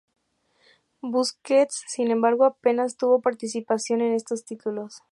Busquets, sin embargo, apenas tuvo participación en estos títulos.